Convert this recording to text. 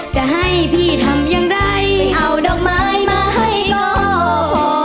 จะให้พี่ทำอย่างไรเอาดอกไม้มาให้ก็